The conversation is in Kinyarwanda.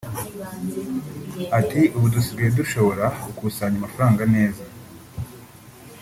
Ati “Ubu dusigaye dushobora gukusanya amafaranga neza